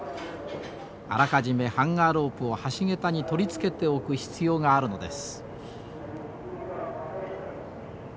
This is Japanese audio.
あらかじめハンガー・ロープを橋桁に取り付けておく必要があるのです。